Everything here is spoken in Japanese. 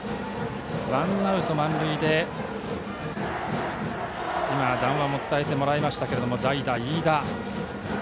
ワンアウト満塁で談話でも伝えてもらいましたが代打の飯田。